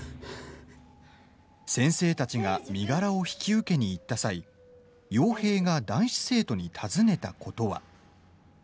先生たちが身柄を引き受けにいった際陽平が男子生徒に尋ねたことは。